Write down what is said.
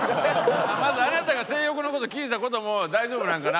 まずあなたが性欲の事聞いた事も大丈夫なんかな？